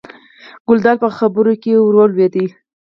ګلداد یې په خبرو کې ور ولوېد.